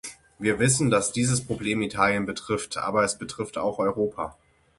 Wir wissen, dass dieses Problem Italien betrifft, aber es betrifft auch Europa.